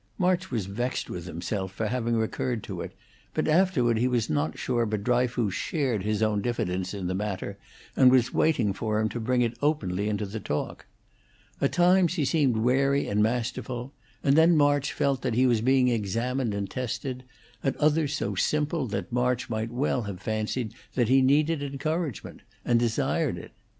March was vexed with himself for having recurred to it; but afterward he was not sure but Dryfoos shared his own diffidence in the matter, and was waiting for him to bring it openly into the talk. At times he seemed wary and masterful, and then March felt that he was being examined and tested; at others so simple that March might well have fancied that he needed encouragement, and desired it.